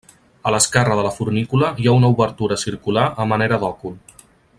A l'esquerra de la fornícula hi ha una obertura circular a manera d'òcul.